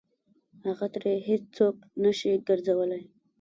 هغه ترې هېڅ څوک نه شي ګرځولی.